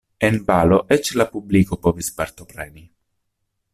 En balo eĉ la publiko povis partopreni.